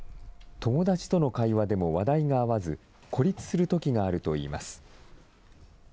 友達との会話でも話題が合わず、孤立するときがあるといいます。